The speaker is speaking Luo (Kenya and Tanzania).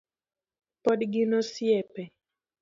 Pod gin osiepe